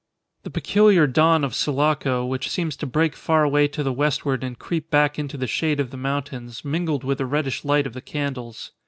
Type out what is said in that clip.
The peculiar dawn of Sulaco, which seems to break far away to the westward and creep back into the shade of the mountains, mingled with the reddish light of the candles.